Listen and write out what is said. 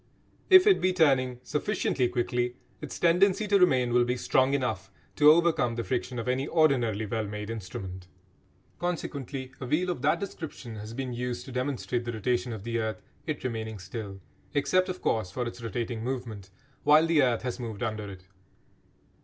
If it be turning sufficiently quickly its tendency to remain will be strong enough to overcome the friction of any ordinarily well made instrument. Consequently a wheel of that description has been used to demonstrate the rotation of the earth, it remaining still (except, of course, for its rotating movement) while the earth has moved under it.